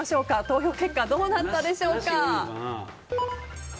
投票結果、どうなったでしょうか。